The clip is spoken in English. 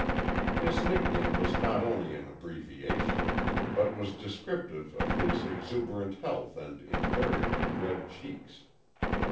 His nickname was not only an abbreviation, but was descriptive of his exuberant health and invariably red cheeks.